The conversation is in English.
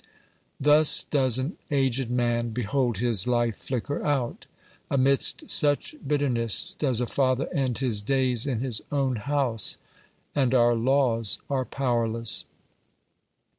Thus does an aged man behold his life flicker out ! Amidst such bitterness does a father end his days in his own house ! And our laws are powerless